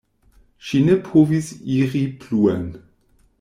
Ŝi ne povis iri pluen.